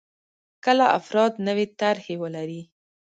کله افراد نوې طرحې ولري.